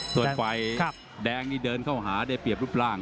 ส่วนฝ่ายแดงนี่เดินเข้าหาได้เปรียบรูปร่าง